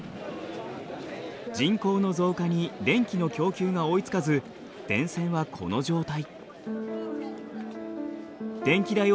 人口の増加に電気の供給が追いつかず電線はこの状態。